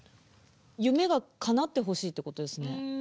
夢がかなってほしいってことですね。